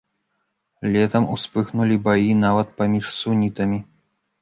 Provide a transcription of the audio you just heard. Летам успыхнулі баі нават паміж сунітамі.